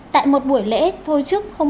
tại một buổi lễ thôi chức